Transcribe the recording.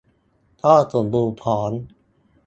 ก็สมบูรณ์พร้อม